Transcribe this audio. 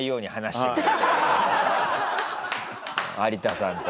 有田さんと。